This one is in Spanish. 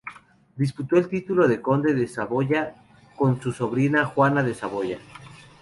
Disputó el título de Conde de Saboya con su sobrina, Juana de Saboya.